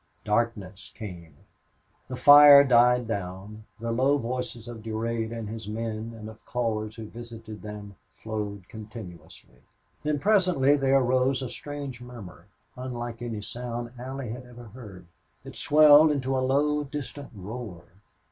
Darkness came; the fire died down; the low voices of Durade and his men, and of callers who visited them, flowed continuously. Then, presently, there arose a strange murmur, unlike any sound Allie had ever heard. It swelled into a low, distant roar.